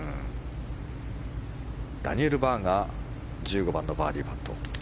ダニエル・バーガー１５番のバーディーパット。